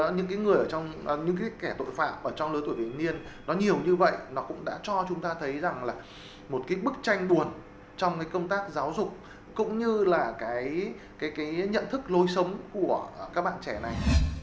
những người ở trong những kẻ tội phạm ở trong lứa tuổi bình niên nó nhiều như vậy nó cũng đã cho chúng ta thấy rằng là một cái bức tranh buồn trong công tác giáo dục cũng như là cái nhận thức lối sống của các bạn trẻ này